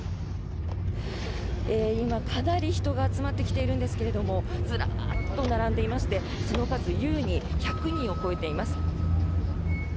今、かなり人が集まってきているんですけどもずらっと並んでいましてその数優に１００人を超えています。